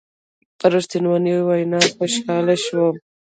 په رښتنوني ویناوو خوشحاله شوم.